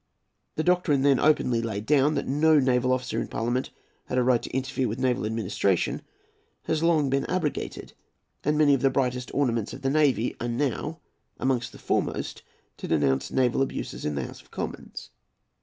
The doctrine then openly laid down, that no naval officer in parliament had a right to interfere with naval administration, has long been abrogated, and many of the brightest ornaments of the navy are now amongst the foremost to denounce naval abuses in the House of Commons.